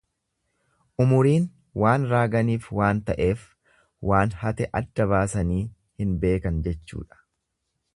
Umuriin waan raaganiif waan ta'eefi waan hate adda baasanii hin beekan jechuudha.